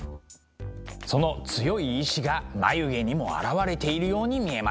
その強い意志が眉毛にも表れているように見えます。